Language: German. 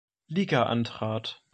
Liga antrat.